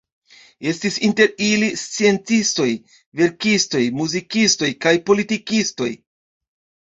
Estis inter ili sciencistoj, verkistoj, muzikistoj kaj politikistoj.